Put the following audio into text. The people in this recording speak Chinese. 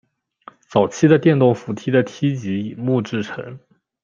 早期的电动扶梯的梯级以木制成。